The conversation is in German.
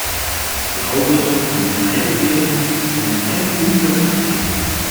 Blaubeeren und Heidelbeeren sind ein und das Gleiche.